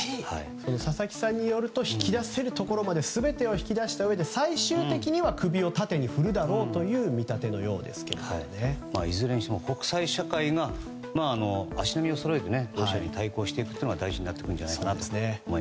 佐々木さんによると引き出せるところまで全てを引き出したうえで最終的には首を縦に振るだろうといういずれにしても国際社会が足並みをそろえてロシアに対抗していくことが大事だと思います。